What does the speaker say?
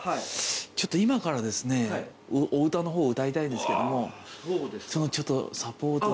ちょっと今からお歌の方を歌いたいんですけどもそのちょっとサポートを。